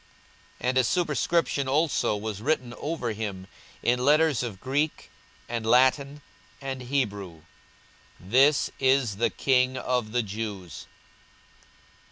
42:023:038 And a superscription also was written over him in letters of Greek, and Latin, and Hebrew, THIS IS THE KING OF THE JEWS.